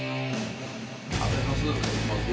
お願いします